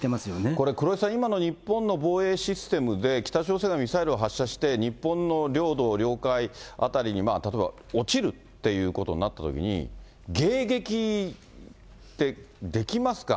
これ黒井さん、今の日本の防衛システムで北朝鮮がミサイルを発射して、日本の領土領海辺りに、例えば落ちるっていうことになったときに、迎撃ってできますか。